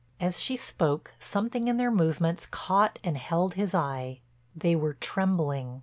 As she spoke something in their movements caught and held his eye—they were trembling.